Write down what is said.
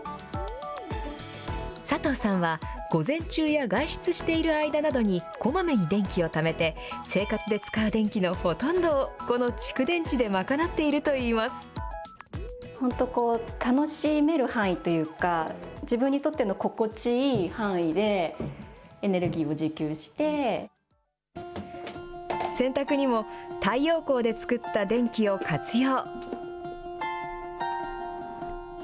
サトウさんは、午前中や外出している間などにこまめに電気をためて、生活で使う電気のほとんどをこの蓄電池で賄っているといいま洗濯にも、太陽光で作った電気を活用。